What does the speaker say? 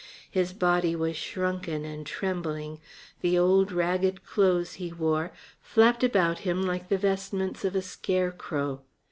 His body was shrunken and trembling; the old, ragged clothes he wore flapped about him like the vestments of a scarecrow.